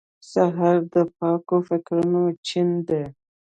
سهار د پاکو فکرونو چین دی.